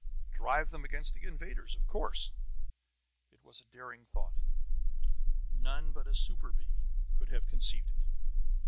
Drive them against the invaders, of course!" It was a daring thought. None but a super bee could have conceived it.